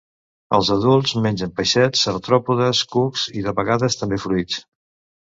Els adults mengen peixets, artròpodes, cucs i, de vegades, també fruits.